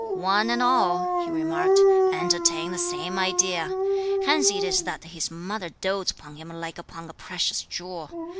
"One and all," he remarked, "entertain the same idea. Hence it is that his mother doats upon him like upon a precious jewel.